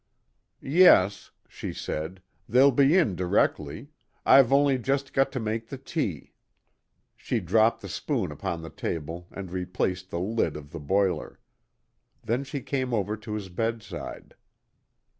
"Yes," she said, "they'll be in directly. I've only just got to make the tea." She dropped the spoon upon the table and replaced the lid of the boiler. Then she came over to his bedside.